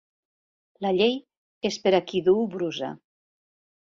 La llei és per a qui duu brusa.